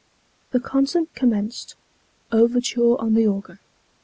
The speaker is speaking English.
The concert commenced overture on the organ.